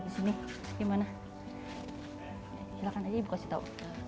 silahkan saja ibu kasih tahu